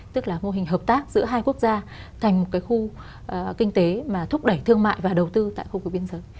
tức là mô hình hợp tác giữa hai quốc gia thành một cái khu kinh tế mà thúc đẩy thương mại và đầu tư tại khu vực biên giới